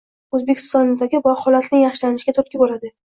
Oʻzbekistondagi holatning yaxshilanishiga turtki boʻladi.